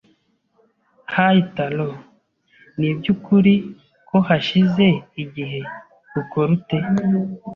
Hey Taro! Nibyukuri ko hashize igihe! Ukora ute?